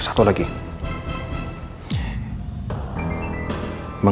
nggak pernah jadi ini